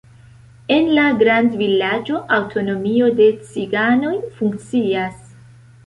En la grandvilaĝo aŭtonomio de ciganoj funkcias.